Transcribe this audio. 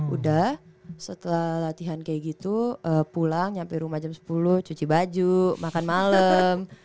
udah setelah latihan kayak gitu pulang nyampe rumah jam sepuluh cuci baju makan malam